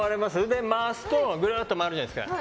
で、回すとぐるっと回るじゃないですか。